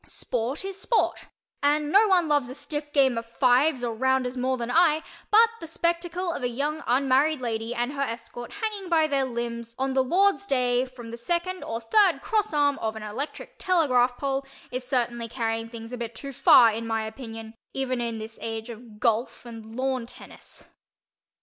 Sport is sport, and no one loves a stiff game of "fives" or "rounders" more than I, but the spectacle of a young unmarried lady and her escort hanging by their limbs on the Lord's Day from the second or third cross arm of an electric telegraph pole is certainly carrying things a bit too far, in my opinion, even in this age of "golf" and lawn "tennis."